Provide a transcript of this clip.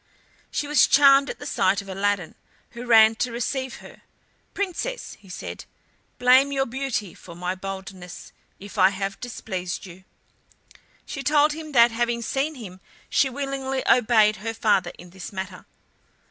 She was charmed at the sight of Aladdin, who ran to receive her. "Princess," he said, "blame your beauty for my boldness if I have displeased you." She told him that, having seen him, she willingly obeyed her father in this matter.